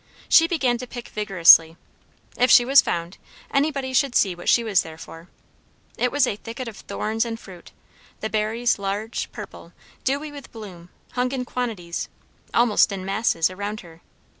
She began to pick vigorously; if she was found, anybody should see what she was there for. It was a thicket of thorns and fruit; the berries, large, purple, dewy with bloom, hung in quantities, almost in masses, around her.